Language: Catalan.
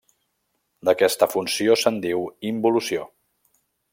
D'aquesta funció se'n diu involució.